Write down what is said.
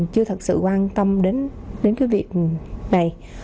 chưa thật sự quan tâm đến cái việc này